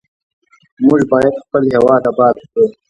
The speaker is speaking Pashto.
موږ باید خپل هیواد آباد کړو.